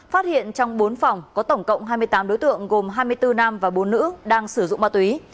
phát hiện trong bốn phòng có tổng cộng hai mươi tám đối tượng gồm hai mươi bốn nam và bốn nữ đang sử dụng ma túy